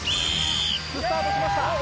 スタートしました。